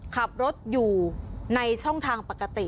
ขับรถอยู่ในช่องทางปกติ